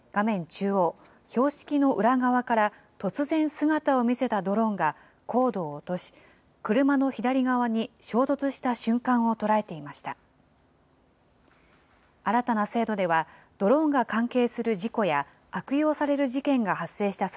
中央、標識の裏側から突然姿を見せたドローンが高度を落とし、車の左側に衝突した瞬間を捉えていました。